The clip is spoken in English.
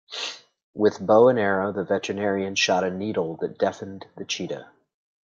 With bow and arrow the veterinarian shot a needle that deafened the cheetah.